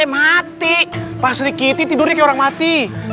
mati pasri kitty tidurnya orang mati